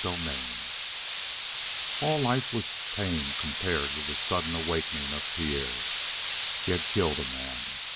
CHAPTER 7 All life was tame compared with this sudden awakening of Pierre. He had killed a man.